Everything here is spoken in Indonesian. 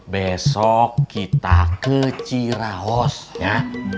besok kita ke ciraos ya